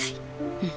うん。